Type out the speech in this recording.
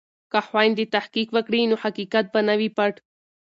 که خویندې تحقیق وکړي نو حقیقت به نه وي پټ.